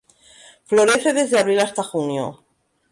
Florece desde abril hasta junio.